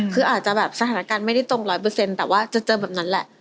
คืออาจจะแบบสถานการณ์ไม่ได้ตรง๑๐๐แต่ว่าจะเจอแบบนั้นแหละ